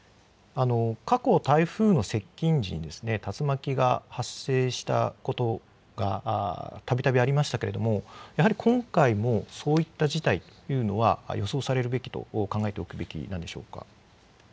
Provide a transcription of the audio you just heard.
過去、台風の接近時に、竜巻が発生したことがたびたびありましたけれども、やはり今回もそういった事態というのは、予想されるべきと考えておくべきなんでしょうか？